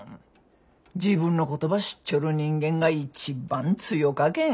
自分のことば知っちょる人間が一番強かけん。